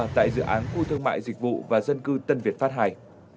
tại dự án khu thương mại dịch vụ và dân cư tân việt phát hải